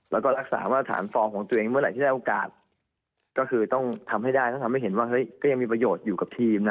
แล้วก็รักษามาตรฐานฟอร์มของตัวเองเมื่อไหร่ที่ได้โอกาสก็คือต้องทำให้ได้แล้วทำให้เห็นว่าเฮ้ยก็ยังมีประโยชน์อยู่กับทีมนะ